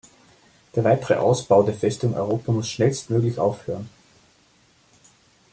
Der weitere Ausbau der Festung Europa muss schnellstmöglich aufhören.